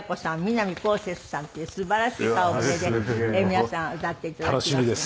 南こうせつさんっていう素晴らしい顔ぶれで皆さん歌っていただきます。